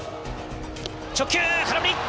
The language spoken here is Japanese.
直球空振り！